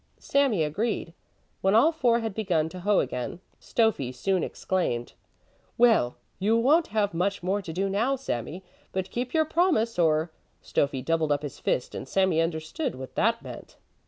Sami agreed. When all four had begun to hoe again, Stöffi soon exclaimed: "Well, you won't have much more to do now, Sami, but keep your promise, or " Stöffi doubled up his fist, and Sami understood what that meant.